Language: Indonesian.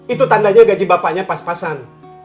itu tandanya gaji bapaknya pas pasan